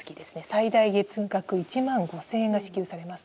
最大月額１万５，０００円が支給されますと。